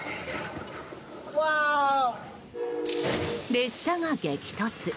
列車が激突！